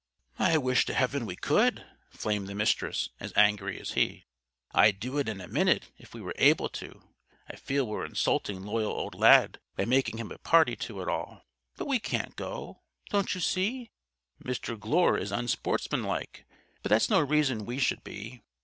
"I wish to heaven we could!" flamed the Mistress, as angry as he. "I'd do it in a minute if we were able to. I feel we're insulting loyal old Lad by making him a party to it all. But we can't go. Don't you see? Mr. Glure is unsportsmanlike, but that's no reason we should be.